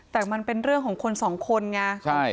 แต่มันเป็นเรื่องของคนสองคนไง